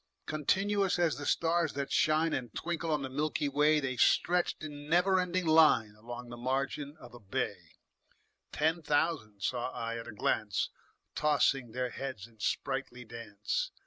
Continuous as the stars that shine And twinkle on the milky way, The stretched in never ending line Along the margin of a bay: Ten thousand saw I at a glance, Tossing their heads in sprightly dance.